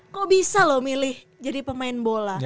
kok bisa loh milih jadi pemain bola